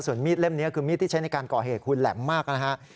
ส่วนมีดเล่มนี้คือมีดที่ใช้ในการก่อเหตุคุณแหลมมากนะฮะ